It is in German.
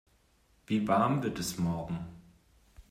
Wie warm wird es morgen?